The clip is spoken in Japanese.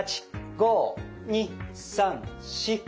５２３４